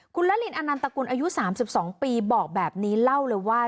คุณละลินอนันตกุลอายุ๓๒ปีบอกแบบนี้เล่าเลยว่า